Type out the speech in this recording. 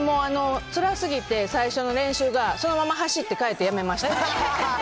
でも、つらすぎて、最初の練習が、そのまま走って帰って辞めました。